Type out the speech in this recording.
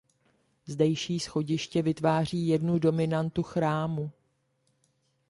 Zdejší schodiště vytváří jednu dominantu chrámu.